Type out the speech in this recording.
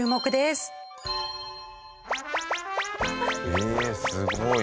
ええすごい。